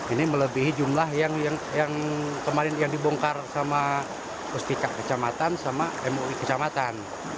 ini melebihi jumlah yang kemarin yang dibongkar sama pustika kecamatan sama mui kecamatan